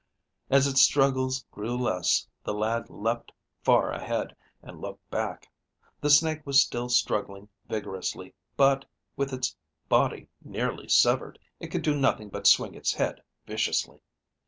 As its struggles grew less, the lad leaped far ahead and looked back. The snake was still struggling vigorously, but, with its body nearly severed, it could do nothing but swing its head viciously.